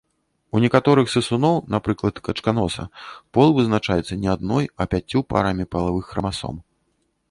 У некаторых сысуноў, напрыклад, качканоса, пол вызначаецца не адной, а пяццю парамі палавых храмасом.